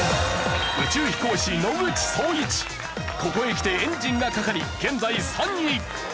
ここへきてエンジンがかかり現在３位。